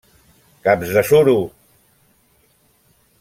Caps de suro!